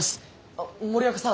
あっ森若さん。